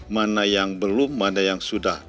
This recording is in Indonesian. mana yang belum mana yang sudah